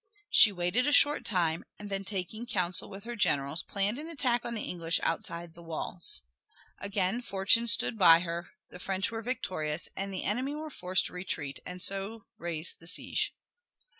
She waited a short time, and then taking counsel with her generals planned an attack on the English outside the walls. Again fortune stood by her, the French were victorious, and the enemy were forced to retreat and so raise the siege.